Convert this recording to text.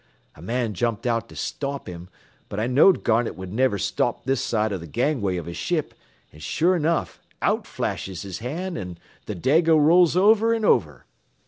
A man jumped out to stop him, but I knowed Garnett would niver stop this side o' th' gangway av his ship, an' sure 'nuff, out flashes his hand an? th' Dago rolls over an' over.